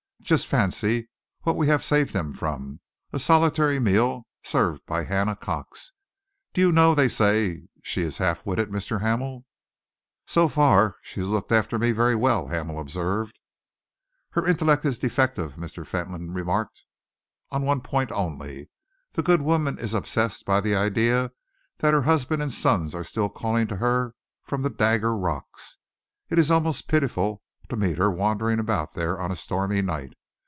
"Just fancy what we have saved him from a solitary meal served by Hannah Cox! Do you know that they say she is half witted, Mr. Hamel?" "So far, she has looked after me very well," Hamel observed. "Her intellect is defective," Mr. Fentolin remarked, "on one point only. The good woman is obsessed by the idea that her husband and sons are still calling to her from the Dagger Rocks. It is almost pitiful to meet her wandering about there on a stormy night.